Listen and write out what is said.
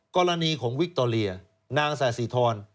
กรณีของวิคโตเรียนางสาธิธร